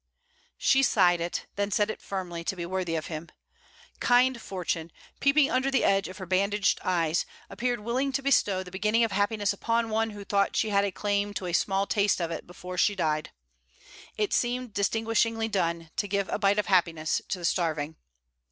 She sighed it, then said it firmly, to be worthy of him. Kind Fortune, peeping under the edge of her bandaged eyes, appeared willing to bestow the beginning of happiness upon one who thought she had a claim to a small taste of it before she died. It seemed distinguishingly done, to give a bite of happiness to the starving!